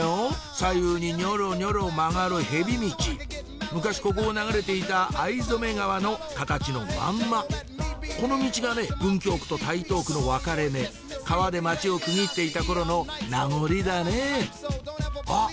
左右にニョロニョロ曲がる昔ここを流れていた藍染川の形のまんまこのミチがね文京区と台東区の分かれ目川で町を区切っていた頃の名残だねあっ